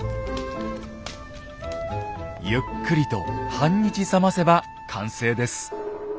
ゆっくりと半日冷ませば完成です。